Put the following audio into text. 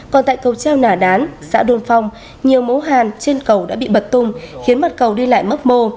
còn tại cầu treo nà đán xã đôn phong nhiều mẫu hàn trên cầu đã bị bật tung khiến mặt cầu đi lại mất mô